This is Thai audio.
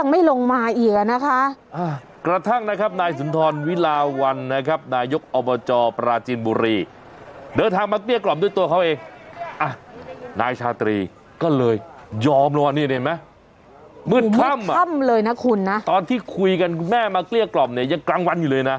มืดค่ำมืดค่ำเลยนะคุณนะตอนที่คุยกันแม่มาเกลี้ยกล่อมเนี่ยยังกลางวันอยู่เลยนะ